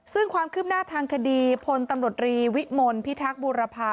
ซึ่งความคืบหน้าทางคดีพลตำรวจรีวิมลพิทักษ์บูรพา